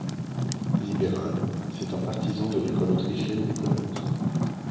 Libéral, c'est un partisan de l'École autrichienne d'économie.